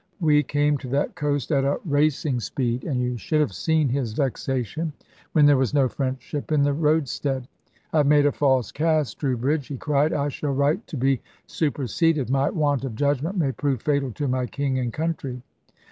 We came to that coast at a racing speed, and you should have seen his vexation when there was no French ship in the roadstead. "I have made a false cast, Troubridge," he cried; "I shall write to be superseded. My want of judgment may prove fatal to my King and country."